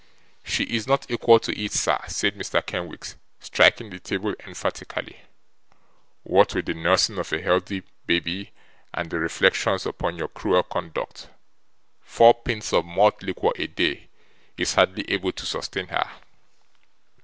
'She is not equal to it, sir,' said Mr. Kenwigs, striking the table emphatically. 'What with the nursing of a healthy babby, and the reflections upon your cruel conduct, four pints of malt liquor a day is hardly able to sustain her.